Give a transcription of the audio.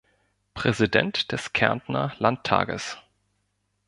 Präsident des Kärntner Landtages.